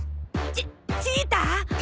チチーター！？